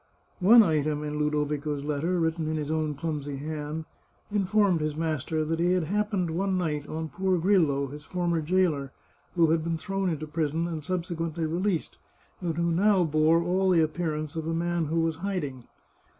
One item in Ludovico's letter, written in his own clumsy hand, informed his master that he had happened, one night, on poor Grillo, his former jailer, who had been thrown into prison and subsequently released, and who now bore all the appearance of a man who was hiding.